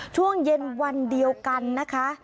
ช่วงเย็นวันเดียวกันนะคะ